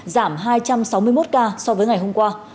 giảm hai trăm sáu mươi một ca so với ngày hôm qua